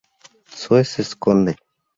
Zoe se esconde.